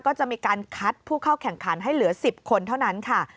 ก็จะมีการคัดผู้เข้าแข่งขันให้เหลือ๑๐คนเท่านั้นค่ะ